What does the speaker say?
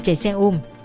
chạy xe ôm